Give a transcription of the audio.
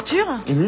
うん？